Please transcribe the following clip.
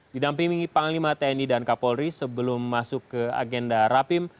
didampingi panglima tni dan kapolri sebelum masuk ke agenda rapim